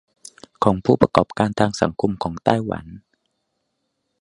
ของผู้ประกอบการทางสังคมของไต้หวัน